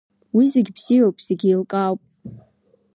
Уи зегьы бзиоуп, зегьы еилкаауп.